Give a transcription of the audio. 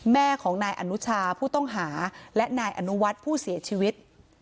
แม่ของนายอนุชาผู้ต้องหาและนายอนุวัฒน์ผู้เสียชีวิต